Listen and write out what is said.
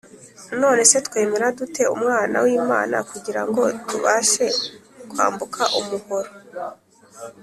None se twemera dute Umwana w'Imana kugira ngo tubashe kwambuka umuhora